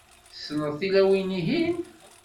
Tessneḍ tilawin-ihin?